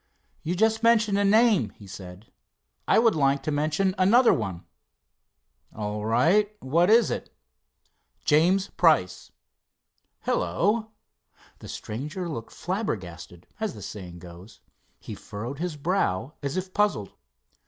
"You just mentioned a name," he said. "I would like to mention another one." "All right, what?" "James Price." "Hello!" The stranger looked flabbergasted, as the saying goes. He furrowed his brow as if puzzled.